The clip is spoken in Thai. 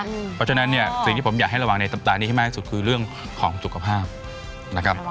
เพราะฉะนั้นเนี่ยสิ่งที่ผมอยากให้ระวังในสัปดาห์นี้ให้มากที่สุดคือเรื่องของสุขภาพนะครับ